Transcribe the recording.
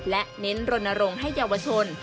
และเน้นลดลดลงให้เยาวชน